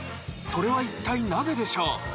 それは一体なぜでしょう？